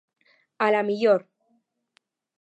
A la millor.